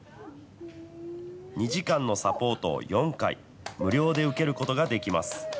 ２時間のサポートを４回、無料で受けることができます。